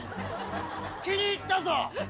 気に入ったぞ。